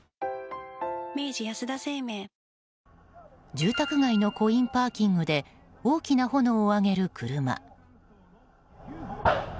住宅街のコインパーキングで大きな炎を上げる車。